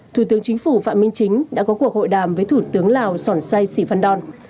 thủ tướng chính phủ phạm minh chính đã có cuộc hội đàm với thủ tướng lào sỏn sai sĩ phan đòn